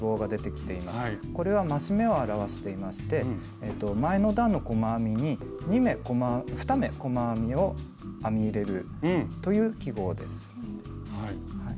これは増し目を表していまして前の段の細編みに２目細編みを編み入れるという記号です。